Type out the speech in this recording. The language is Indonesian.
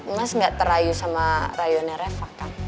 mas gak terayu sama rayunya reva kan